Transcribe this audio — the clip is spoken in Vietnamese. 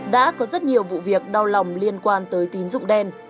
đã có rất nhiều vụ việc đau lòng liên quan tới tín dụng đen